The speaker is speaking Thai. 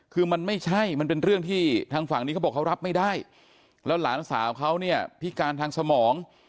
คือมันไม่ใช่มันเป็นเรื่องที่ทางฝั่งนี้เขาบอกเขารับไม่ได้แล้วหลานสาวเขาเนี่ยพิการทางสมอง